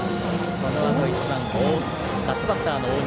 このあとラストバッターの大西。